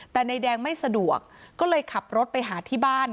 แต่นายแดงไม่สะดวกก็เลยขับรถไปหาที่บ้าน